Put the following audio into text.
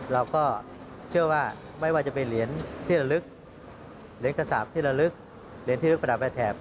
เราก็เชื่อว่าไม่ว่าจะเป็นเหรียญที่ระลึกเหรียญกระสาปที่ระลึกเหรียญที่ลึกประดับไปแถบ